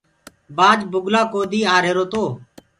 بآج بُگلآ ڪودي آرهيرو تو۔